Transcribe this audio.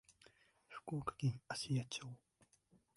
福岡県芦屋町